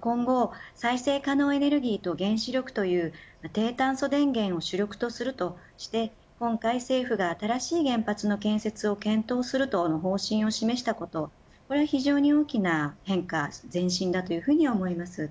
今後、再生可能エネルギーと原子力という低炭素電源を主力とするとして今回政府が、正しい原発の建設の方針を示したことこれは非常に大きな変化前進だというふうに思います。